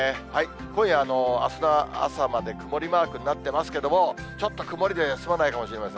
今夜、あすの朝まで曇りマークになってますけれども、ちょっと曇りで済まないかもしれません。